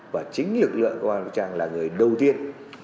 và chính lực lượng công an vũ trang là người đầu tiên